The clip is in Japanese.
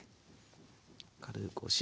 軽くお塩。